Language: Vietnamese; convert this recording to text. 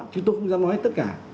chứ tôi không dám nói tất cả